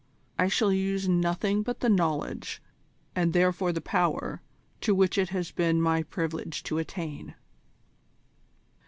I shall use nothing but the knowledge, and therefore the power, to which it has been my privilege to attain."